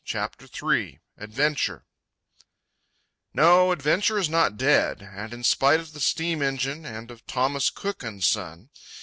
CHAPTER III ADVENTURE No, adventure is not dead, and in spite of the steam engine and of Thomas Cook & Son.